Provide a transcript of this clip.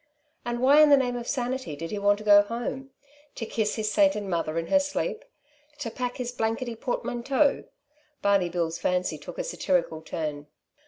And why in the name of sanity did he want to go home? To kiss his sainted mother in her sleep? To pack his blankety portmanteau? Barney Bill's fancy took a satirical turn.